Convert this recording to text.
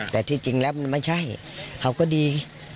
แต่ที่จริงแล้วมันไม่ใช่เขาก็ดี